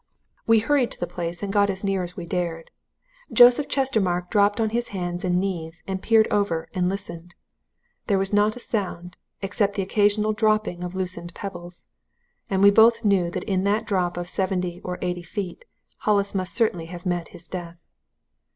"We hurried to the place and got as near as we dared. Joseph Chestermarke dropped on his hands and knees, and peered over and listened. There was not a sound except the occasional dropping of loosened pebbles. And we both knew that in that drop of seventy or eighty feet, Hollis must certainly have met his death.